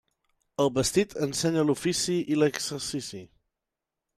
El vestit ensenya l'ofici i l'exercici.